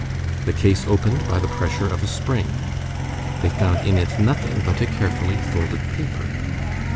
The case opened by the pressure of a spring. They found in it nothing but a carefully folded paper.